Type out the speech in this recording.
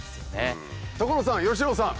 所さん佳乃さん。